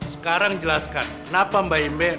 sekarang jelaskan kenapa mbak imbe